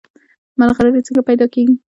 ملغلرې څنګه پیدا کیږي؟